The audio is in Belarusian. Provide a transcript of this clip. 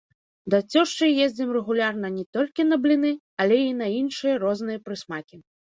Да цешчы ездзім рэгулярна не толькі на бліны, але і на іншыя розныя прысмакі.